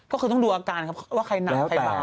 ก็คือต้องดูอาการครับว่าใครหนักใครเบา